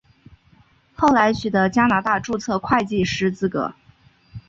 后来取得加拿大注册会计师资格。